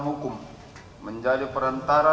hukum menjadi perantara